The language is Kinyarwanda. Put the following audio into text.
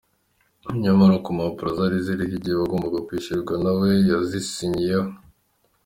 Nyamara ku mpapuro zari ziriho igihe bagombaga kwishyurirwa nawe yazisinyiye ho.